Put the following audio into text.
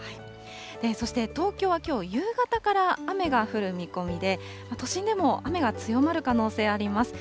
そして東京はきょう、夕方から雨が降る見込みで、都心でも雨が強まる可能性あります。